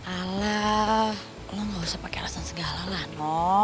alah lo gak usah pakai alasan segala lah no